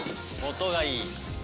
音がいい。